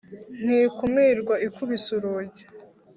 ntikumirwa ikubise urugi